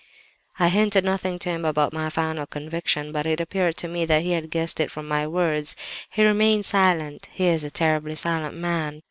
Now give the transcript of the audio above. "I hinted nothing to him about my 'final conviction,' but it appeared to me that he had guessed it from my words. He remained silent—he is a terribly silent man.